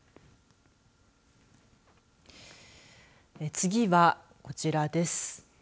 次は、こちらです。